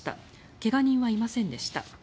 怪我人はいませんでした。